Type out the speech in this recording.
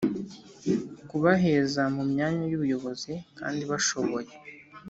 kubaheza mu myanya y ubuyobozi kandi bashoboye